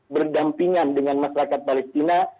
berdampingan dengan masyarakat palestina